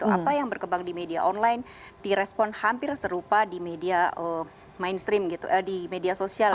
apa yang berkembang di media online direspon hampir serupa di media sosial